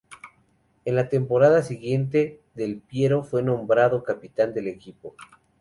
En la temporada siguiente, Del Piero fue nombrado capitán del equipo.